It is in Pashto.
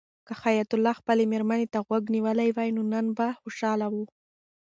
که حیات الله خپلې مېرمنې ته غوږ نیولی وای نو نن به خوشحاله و.